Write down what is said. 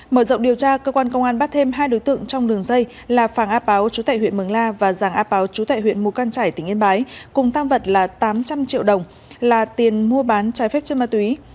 mở rộng điều tra cơ quan công an bắt thêm hai đối tượng trong đường dây là phàng áp báo chú tệ huyện mường la và giảng áp báo chú tệ huyện mù căn trải tỉnh yên bái cùng tăng vật là tám trăm linh triệu đồng là tiền mua bán trái phép trên ma túy